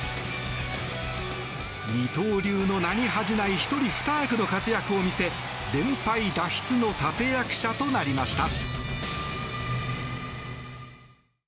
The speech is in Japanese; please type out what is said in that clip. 二刀流の名に恥じない１人２役の活躍を見せ連敗脱出の立役者となりました。